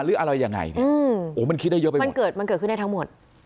หรืออะไรยังไงเนี่ยโอ้มันคิดได้เยอะไปหมดมันเกิดมันเกิดขึ้นได้ทั้งหมด